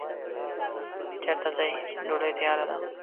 چیرته ځی ډوډی تیاره ده